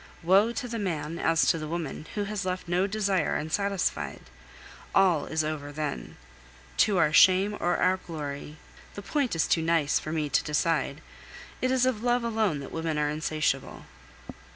Woe to the man, as to the woman, who has left no desire unsatisfied! All is over then. To our shame or our glory the point is too nice for me to decide it is of love alone that women are insatiable.